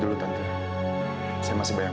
dia sudah pernah madam evening